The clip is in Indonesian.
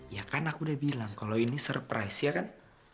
ya kan aku udah bilang kalau ini surprise ya kan